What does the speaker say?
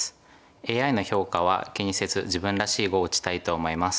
ＡＩの評価は気にせず自分らしい碁を打ちたいと思います。